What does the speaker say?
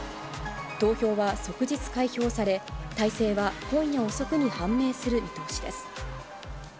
投票は即日開票され、大勢は今夜遅くに判明する見通しです。